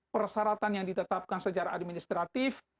persyaratan yang ditetapkan secara administratif